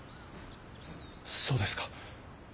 そうですか。